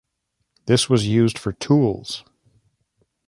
This was used for tools.